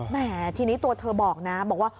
แม่ทีนี้ตัวเธอบอกนะบอกว่า